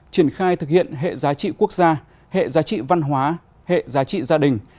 triển khai thực hiện hệ giá trị quốc gia hệ giá trị văn hóa hệ giá trị gia đình